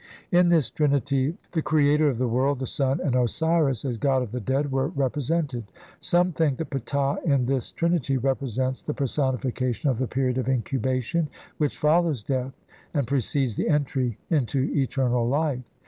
In this trinity the creator of the world, the sun, and Osiris as god of the dead were repre sented. Some think that Ptah in this trinity represents the personification of the period of incubation which follows death and precedes the entry into eternal life.